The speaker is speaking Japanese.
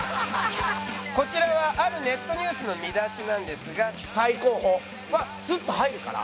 こちらはあるネットニュースの見出しなんですが。はスッと入るから。